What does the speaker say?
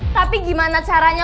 tapi gimana caranya